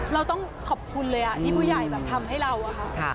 เราต้องขอบคุณเลยที่ผู้ใหญ่ทำให้เรา